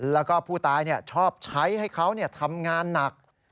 แล้วก็ผู้ตายเนี่ยชอบใช้ให้เค้าเนี่ยทำงานหนัก